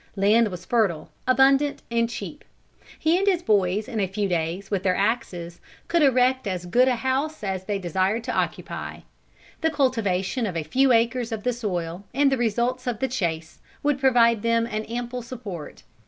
Land was fertile, abundant and cheap. He and his boys in a few days, with their axes, could erect as good a house as they desired to occupy. The cultivation of a few acres of the soil, and the results of the chase, would provide them an ample support.